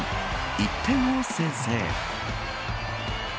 １点を先制。